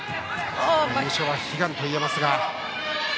優勝は悲願といえます。